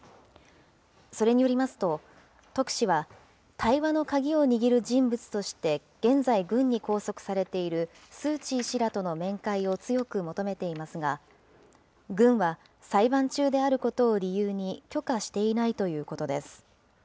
それによりますと、特使は、対話の鍵を握る人物として、現在軍に拘束されているスー・チー氏らとの面会を強く求めていますが、軍は裁判中であることを理由に、許可していないということです。